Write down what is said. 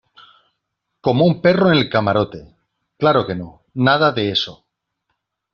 como un perro en el camarote. claro que no, nada de eso .